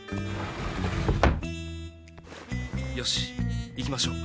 よし行きましょう。